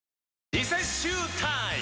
リセッシュータイム！